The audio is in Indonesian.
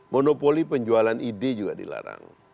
monopoli penjualan ide juga dilarang